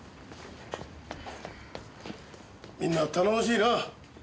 みんな頼もしいな！